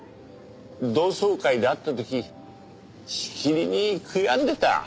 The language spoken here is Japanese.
同窓会で会った時しきりに悔やんでた。